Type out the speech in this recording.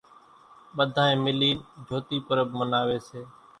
ٻڌانئين ملين جھوتي پرٻ مناوي سي۔